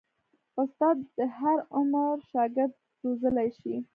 استاد د هر عمر شاګرد روزلی شي.